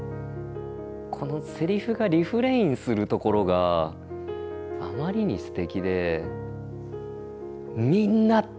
このセリフがリフレインするところがあまりにすてきで。